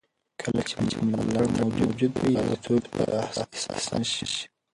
کله چې ملاتړ موجود وي، یوازیتوب به احساس نه شي.